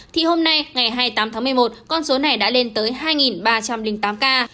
thì hôm nay ngày hai mươi tám tháng một mươi một con số này đã lên tới hai ba trăm linh tám ca